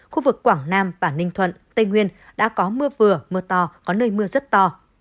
khu vực quảng nam và ninh thuận tây nguyên đã có mưa vừa mưa to có nơi mưa rất to